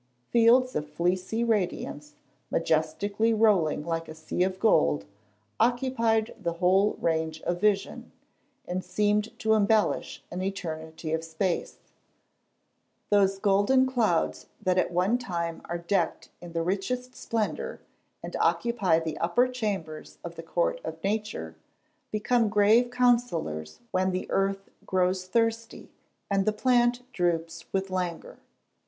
Fields of fleecy radiance, majestically rolling like a sea of gold, occupied the whole range of vision, and seemed to embellish an eternity of space. Those golden clouds that at one time are decked in the richest splendour, and occupy the upper chambers of the Court of Nature, become grave councillors when the earth grows thirsty, and the plant droops with languor.